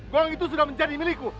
gong itu sudah menjadi milikku